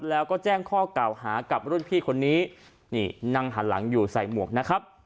แล้วก็แจ้งข้อเก่าหากับรุ่นพี่คนนี้นี่นั่งหันหลังอยู่ใส่หมวกนะครับ